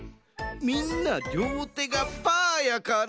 みんなりょうてがパーやから。